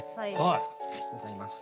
ありがとうございます。